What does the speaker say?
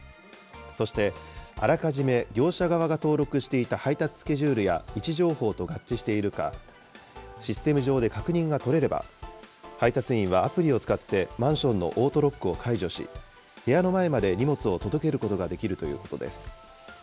そしてあらかじめ業者側が登録していた配達スケジュールや、位置情報と合致しているか、システム上で確認が取れれば、配達員はアプリを使ってマンションのオートロックを解除し、部屋の前まで荷物を届けることができるということです。